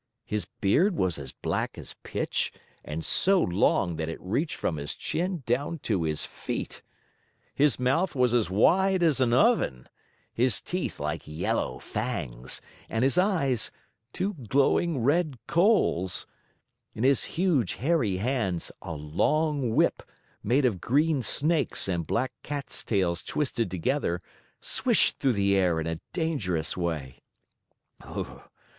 His beard was as black as pitch, and so long that it reached from his chin down to his feet. His mouth was as wide as an oven, his teeth like yellow fangs, and his eyes, two glowing red coals. In his huge, hairy hands, a long whip, made of green snakes and black cats' tails twisted together, swished through the air in a dangerous way.